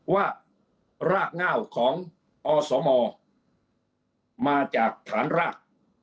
ว่ารากเง่าของอสมมาจากฐานราก